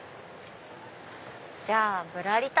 じゃあぶらり旅